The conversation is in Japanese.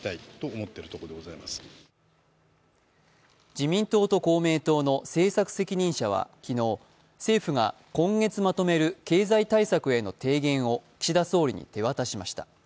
自民党と公明党の政策責任者は昨日、政府が今月まとめる経済対策への提言を岸田総理に手渡しました。